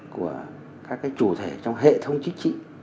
của các chủ thể trong hệ thống chính trị